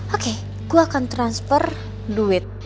oke gue akan transfernya ke rumah sakit ya reva